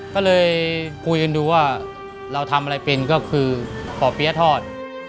ก็เลยคุยกันดูว่าเราทำอะไรเป็นก็คือป่อเปี๊ยะทอด